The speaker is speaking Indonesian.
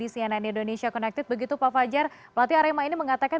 kawasan yang terkenal di indonesia connected begitu pak fajar pelatih arema ini mengatakan